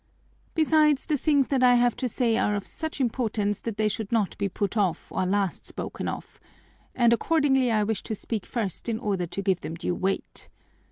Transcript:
Besides, the things that I have to say are of such importance that they should not be put off or last spoken of, and accordingly I wish to speak first in order to give them due weight.